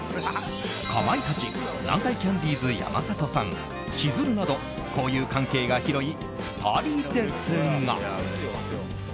かまいたち南海キャンディーズ山里さんしずるなど交友関係が広い２人ですが。